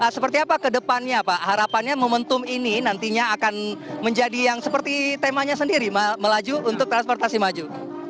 seperti apa kedepannya pak harapannya momentum ini nantinya akan menjadi yang seperti temanya sendiri melaju untuk transportasi maju